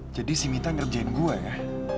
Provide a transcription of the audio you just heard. jadi si mita ngerjain gue ya